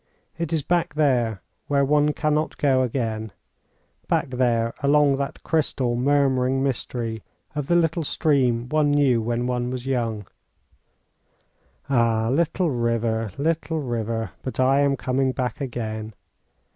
It is back there, where one can not go again; back there, along that crystal, murmuring mystery of the little stream one knew when one was young! Ah, little river, little river, but I am coming back again.